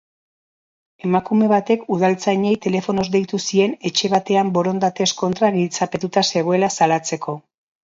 Emakume batek udaltzainei telefonoz deitu zien etxe batean borondatez kontra giltzapetuta zegoela salatzeko.